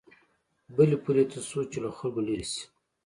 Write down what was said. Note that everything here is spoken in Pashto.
بلې پولې ته شو چې له خلکو لېرې شي.